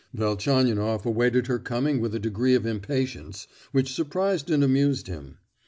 Velchaninoff awaited her coming with a degree of impatience which surprised and amused him.